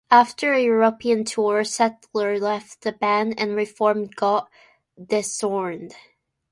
After a European tour Sattler left the band and re-formed God Dethroned.